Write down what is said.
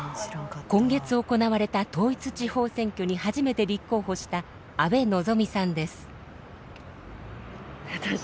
今月行われた統一地方選挙に初めて立候補した阿部希さんです。